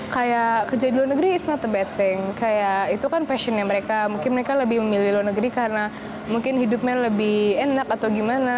kayak kerja di luar negeri ⁇ its ⁇ not a bething kayak itu kan passionnya mereka mungkin mereka lebih memilih luar negeri karena mungkin hidupnya lebih enak atau gimana